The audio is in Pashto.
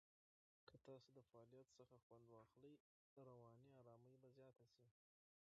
که تاسو د فعالیت څخه خوند واخلئ، رواني آرامۍ به زیاته شي.